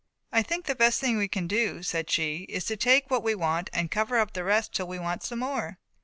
"I think the best thing we can do," said she, "is to take what we want and then cover up the rest till we want some more."